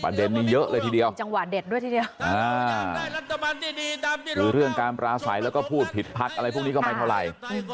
เด็นนี้เยอะเลยทีเดียวจังหวะเด็ดด้วยทีเดียวได้รัฐบาลดีคือเรื่องการปราศัยแล้วก็พูดผิดพักอะไรพวกนี้ก็ไม่เท่าไหร่